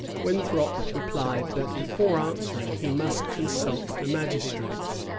Winthrop repUed that, before answering, he must consult the magistrates.